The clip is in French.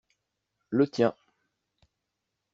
Le tien.